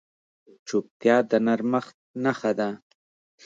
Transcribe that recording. چوپتیا، د نرمښت نښه ده.